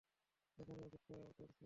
এখানেই অপেক্ষা করছি।